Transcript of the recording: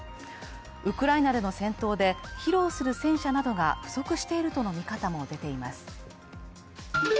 ウクライナでの戦闘で披露する戦車などが不足しているとの見方も出ています。